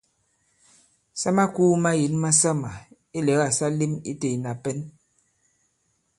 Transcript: Sa makūu mayěn masamà ilɛ̀gâ sa lēm itē ìna pɛ̌n.